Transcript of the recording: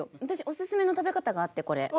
私おすすめの食べ方があってこれ。